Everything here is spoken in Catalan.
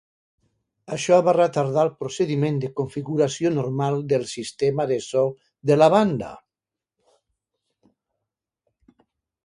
Això va retardar el procediment de configuració normal del sistema de so de la banda.